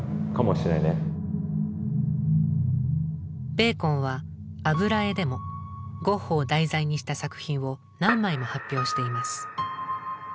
ベーコンは油絵でもゴッホを題材にした作品を何枚も発表しています。